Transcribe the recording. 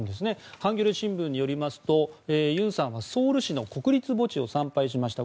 ハンギョレ新聞によりますとユンさんはソウル市の国立墓地を参拝しました。